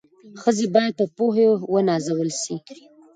ښځي بايد په پوهي و نازول سي